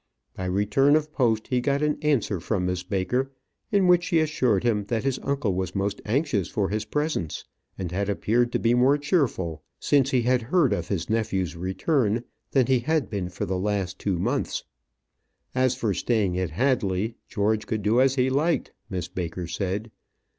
By return of post he got an answer from Miss Baker, in which she assured him that his uncle was most anxious for his presence, and had appeared to be more cheerful, since he had heard of his nephew's return, than he had been for the last two months. As for staying at Hadley, George could do as he liked, Miss Baker said.